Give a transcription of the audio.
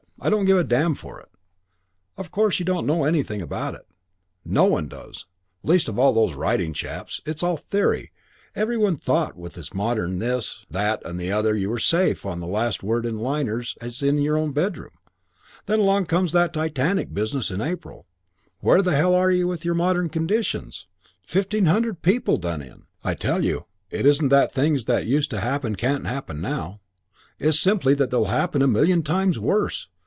I don't give a damn for it. Of course you don't know anything about it. No one does. Least of all those writing chaps. It's all theory. Every one thought that with modern this, that and the other you were as safe on the last word in liners as in your own bedroom. Then comes along that Titanic business in April, and where the hell are you with your modern conditions? Fifteen hundred people done in. I tell you it isn't that things that used to happen can't happen now; it's simply that they'll happen a million times worse.